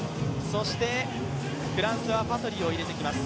そしてフランスはパトリを入れてきます。